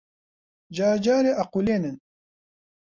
جار جارێ ئەقوولێنن